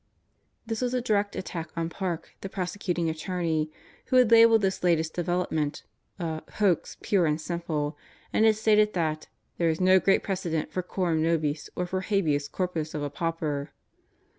This was a direct attack on Park, the prosecuting attorney, who had labeled this latest development a "hoax, pure and simple," and had stated that "there was no great precedent for coram nobis or for habeas corpus of a pauper."